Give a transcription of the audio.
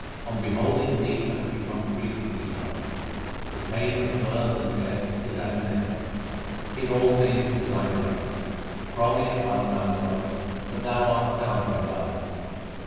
On beholding Thee I have become free from desire ; the pain of birth and death is at an end. In all things is Thy light ; from it art Thou known, but Thou art found by love.